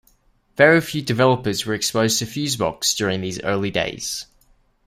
Very few developers were exposed to Fusebox during these early days.